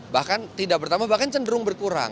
bahkan tidak bertambah bahkan cenderung berkurang